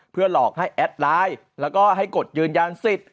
เพื่อหลอกให้แอดไลน์แล้วก็ให้กดยืนยันสิทธิ์